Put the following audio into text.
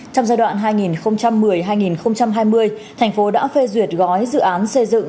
trong giai đoạn hai nghìn một mươi hai nghìn hai mươi thành phố đã phê duyệt gói dự án xây dựng